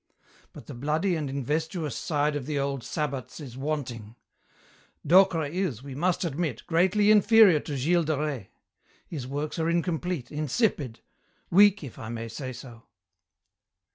But the bloody and investuous side of the old sabbats is wanting. Docre is, we must admit, greatly inferior to Gilles de Rais. His works are incomplete, insipid; weak, if I may say so."